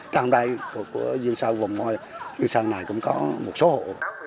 trang đài của dương sơn vùng ngoài dương sơn này cũng có một số hộ